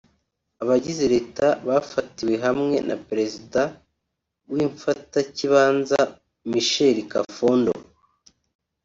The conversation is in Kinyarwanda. Abagize leta bafatiwe hamwe na perezida w'infatakibanza Michel Kafondo